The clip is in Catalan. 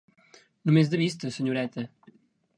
Només de vista, senyoreta.